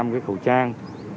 hai năm trăm linh khẩu trang